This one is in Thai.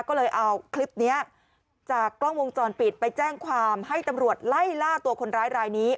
ก็เลยเอาคลิปนี้จากกล้องวงจรปิดไปแจ้งความให้ตำรวจไล่ล่าตัวคนร้ายรายนี้